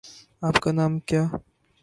آپ کا نام کیا